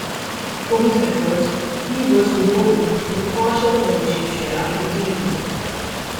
For his efforts, he was rewarded with a partial ownership share in the team.